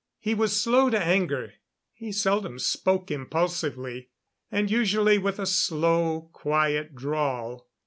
He was slow to anger. He seldom spoke impulsively; and usually with a slow, quiet drawl.